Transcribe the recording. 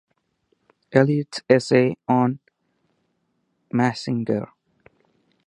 Eliot's essay on Massinger.